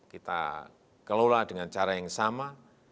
kita kelola dengan cara yang sama